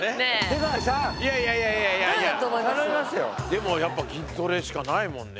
でもやっぱ筋トレしかないもんね。